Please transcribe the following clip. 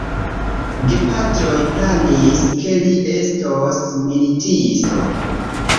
Gepatroj planis, ke li estos militisto.